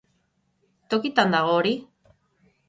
Tokitan dago hori!